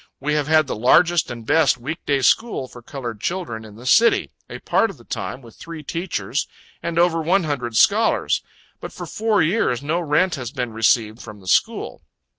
We have had the largest and best week day school for colored children in the city a part of the time with three teachers and over one hundred scholars but for four years, no rent has been received from the school.